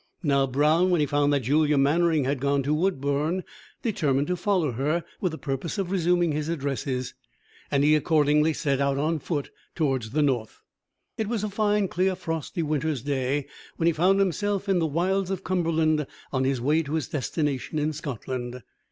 Now, Brown, when he found that Julia Mannering had gone to Woodbourne, determined to follow her, with the purpose of resuming his addresses, and he accordingly set out on foot towards the North. It was a fine clear frosty winter's day when he found himself in the wilds of Cumberland on his way to his destination in Scotland.